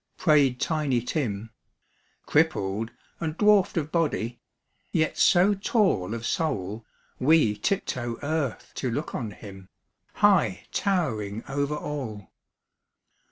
" prayed Tiny Tim, Crippled, and dwarfed of body, yet so tall Of soul, we tiptoe earth to look on him, High towering over all.